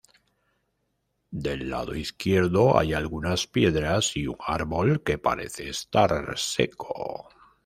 Del lado izquierdo hay algunas piedras y un árbol que parece estar seco.